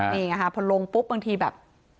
เพราะลงปุ๊บบางทีแบบ